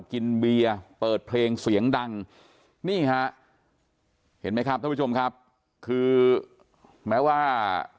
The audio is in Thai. กินเบียร์เปิดเพลงเสียงดังนี่ฮะเห็นไหมครับท่านผู้ชมครับคือแม้ว่า